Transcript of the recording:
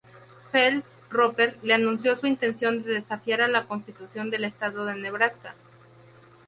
Phelps-Roper le anunció su intención de desafiar a la constitución del estado de Nebraska.